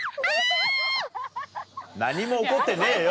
何も起こってねえよ！